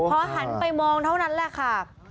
พอหันไปมองเท่านั้นแหละค่ะ